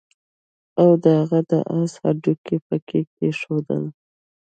او د هغه د آس هډوکي يې پکي کېښودل